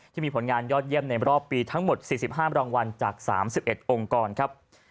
ที่มีผลงานยอดเยี่ยมในรอบปีทั้งหมด๔๕รางวัลจาก๓๑องค์กรครับ